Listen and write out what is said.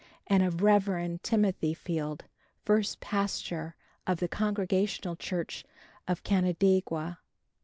and of Rev. Timothy Field, first pastor of the Congregational church of Canandaigua.